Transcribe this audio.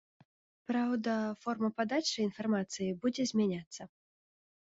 Праўда, форма падачы інфармацыі будзе змяняцца.